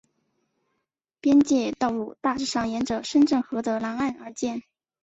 边界道路大致上沿着深圳河的南岸而建。